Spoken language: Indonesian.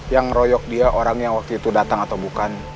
yang ngeroyok dia orang yang waktu itu datang atau bukan